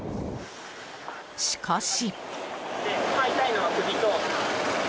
しかし。